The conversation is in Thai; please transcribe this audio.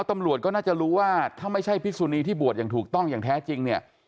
ตำรวจก็น่าจะรู้ว่าถ้าไม่ใช่พิสุนีที่บวชอย่างถูกต้องอย่างแท้จริงเนี่ย